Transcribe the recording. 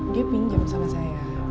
dia pinjam sama saya